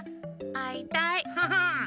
あいたい！